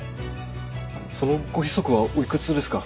そのご子息はおいくつですか。